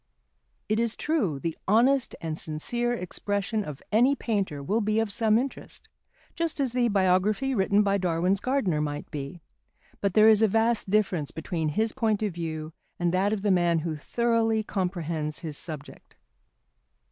It is true, the honest and sincere expression of any painter will be of some interest, just as the biography written by Darwin's gardener might be; but there is a vast difference between this point of view and that of the man who thoroughly comprehends his subject.